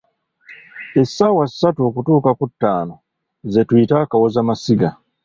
Essaawa ssatu okutuuka ku ttaano ze tuyita, "akawoza masiga"